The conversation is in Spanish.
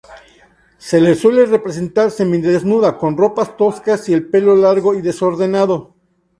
Se la suele representar semidesnuda, con ropas toscas y el pelo largo y desordenado.